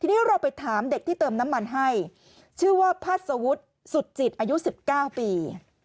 ทีนี้เราไปถามเด็กที่เติมน้ำมันให้ชื่อว่าพัฒวุฒิสุดจิตอายุ๑๙ปี